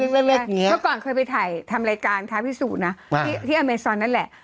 เมื่อก่อนเคยไปถ่ายทำรายการท้าพิสูจน์นะที่อเมซอนนั่นแหละ